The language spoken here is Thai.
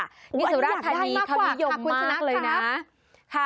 อันนี้อยากได้มากกว่าค่ะคุณสนักครับนี่สุราชธรรมีคำนิยมมากเลยนะ